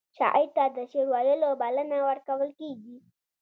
شاعر ته د شعر ویلو بلنه ورکول کیږي.